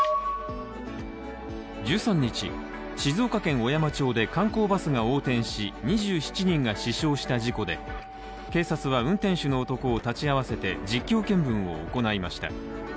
１２日、静岡県小山町で観光バスが横転し、２７人が死傷した事故で警察は運転手の男を立ち会わせて実況見分を行いました。